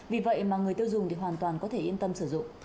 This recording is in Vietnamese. vì vậy mà người tiêu dùng thì hoàn toàn có thể yên tâm sử dụng